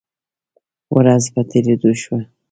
ورځ په تیریدو شوه